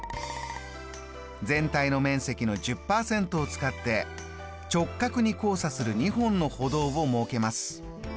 全体の面積の１０％を使って直角に交差する２本の歩道を設けます。